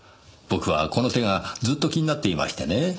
僕はこの手がずっと気になっていましてね。